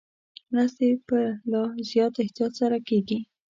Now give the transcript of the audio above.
مرستې په لا زیات احتیاط سره کېږي.